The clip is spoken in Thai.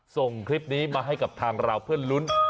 ส่งคลิปนี้มาให้กับทางเราเพื่อลุ้น